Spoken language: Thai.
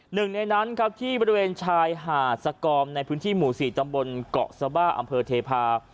หนึ่งในนั้นครับที่บริเวณชายหาดสกอมในพื้นที่หมู่๔ตำบลเกาะสบ้าอำเภอเทพา